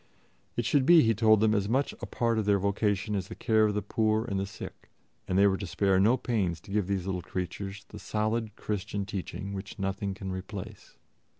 It should be, he told them, as much a part of their vocation as the care of the poor and the sick, and they were to spare no pains to give these little creatures the solid Christian teaching which nothing can replace.